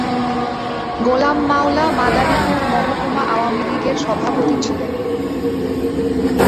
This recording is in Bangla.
গোলাম মাওলা মাদারীপুর মহকুমা আওয়ামী লীগের সভাপতি ছিলেন।